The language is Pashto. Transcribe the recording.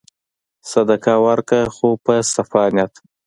صدقه ورکړه خو په صفا نیت.